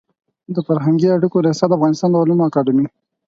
د فرهنګي اړیکو ریاست د افغانستان د علومو اکاډمي